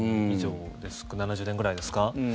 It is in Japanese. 以上７０年ぐらいですか。